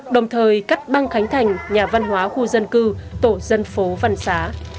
đồng thời cắt băng khánh thành nhà văn hóa khu dân cư tổ dân phố văn xá